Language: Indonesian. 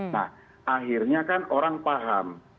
nah akhirnya kan orang paham